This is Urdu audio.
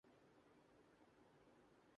مجھے پاکستان سے پیار ہے بھارتی فلم ساز